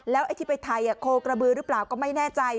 ไอ้ที่ไปไทยโคกระบือหรือเปล่าก็ไม่แน่ใจ